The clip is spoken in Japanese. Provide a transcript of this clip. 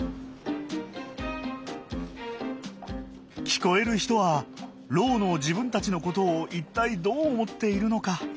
聞こえる人はろうの自分たちのことを一体どう思っているのか。